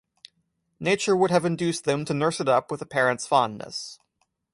Nature would have induc'd them to nurse it up with a Parent's Fondness.